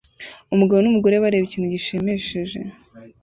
Umugabo numugore bareba ikintu gishimishije